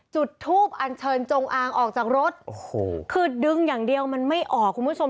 จุดทูปอันเชิญจงอางออกจากรถโอ้โหคือดึงอย่างเดียวมันไม่ออกคุณผู้ชม